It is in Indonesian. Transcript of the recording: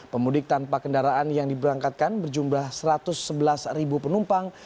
pemudik tanpa kendaraan yang diberangkatkan berjumlah satu ratus sebelas penumpang